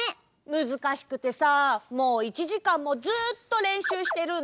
むずかしくてさもう１じかんもずっとれんしゅうしてるんだ！